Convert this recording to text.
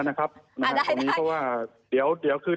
ขออนุญาตสังหวนแล้วกันนะครับอ่าได้ได้เพราะว่าเดี๋ยวเดี๋ยวคือ